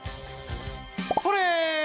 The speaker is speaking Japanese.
それ！